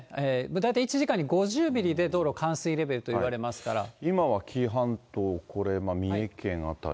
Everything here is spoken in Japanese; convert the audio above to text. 大体１時間に５０ミリで道路冠水今は紀伊半島、これ三重県辺